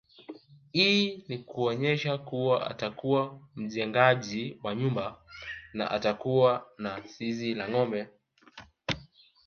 Hii ni kuonyesha kuwa atakuwa mjengaji wa nyumba na atakuwa na zizi la ngombe